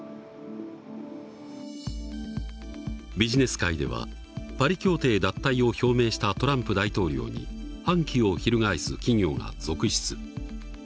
ビジネス界ではパリ協定脱退を表明したトランプ大統領に反旗を翻す企業が続出。